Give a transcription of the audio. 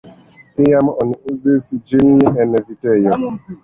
Iam oni uzis ĝin en vitejo.